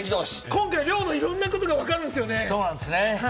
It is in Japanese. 今回、リョウのいろんなことが分かるんですよね。